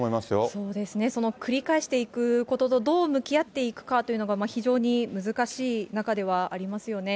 そうですね、その繰り返していくことと、どう向き合っていくかというのが、非常に難しい中ではありますよね。